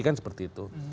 kan seperti itu